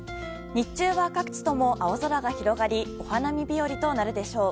日中は各地とも青空が広がりお花見日和となるでしょう。